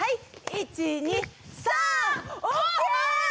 １２３！ＯＫ！